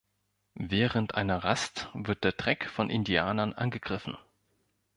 Während einer Rast wird der Treck von Indianern angegriffen.